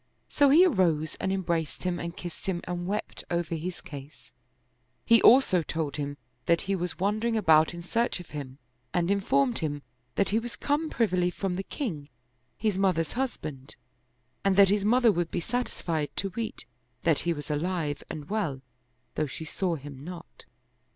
So he arose and em braced him and kissed him and wept over his case : he also told him that he was wandering about in search of him and informed him that he was come privily from the king, his mother's husband, and that his mother would be sat isfied to weet that he was alive and well, though she saw him not.